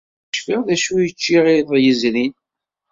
Ur cfiɣ d acu ay cciɣ iḍ yezrin.